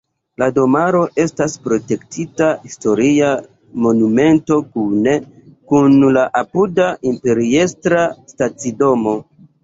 La domaro estas protektita historia monumento kune kun la apuda imperiestra stacidomo.